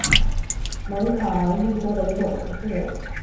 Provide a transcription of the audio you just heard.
蒙哥马利是美国俄亥俄州汉密尔顿县的一座城市。